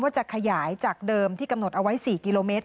จะขยายจากเดิมที่กำหนดเอาไว้๔กิโลเมตร